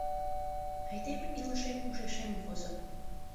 — Айдеме илышем ушешем возо...